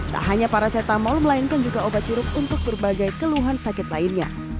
tak hanya paracetamol melainkan juga obat sirup untuk berbagai keluhan sakit lainnya